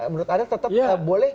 menurut anda tetap boleh